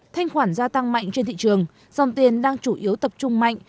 thanh khoản gia tăng mạnh trên thị trường dòng tiền đang chủ yếu tập trung mạnh